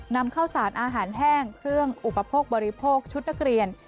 นำข้าวสารอาหารแห้งเครื่องอุปโภคบริโภคชุดนักเรียน